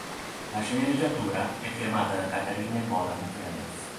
La sceneggiatura è firmata da Katharine Boland Clemens.